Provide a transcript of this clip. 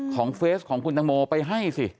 เฟสของคุณตังโมไปให้สิ